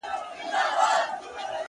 دريم ځل هم راځم له تا سره نکاح کومه;